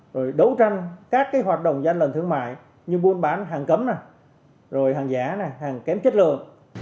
rồi đấu tranh các hoạt động gian lần thương mại như buôn bán hàng cấm hàng giả hàng kém chất lượng